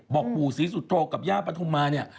บอกปู่ศรีสุทธโฟฟังกับย่าปัทมาเนี่ย